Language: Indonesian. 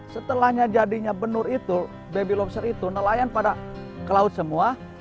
setelahnya jadinya benur itu baby lobster itu nelayan pada ke laut semua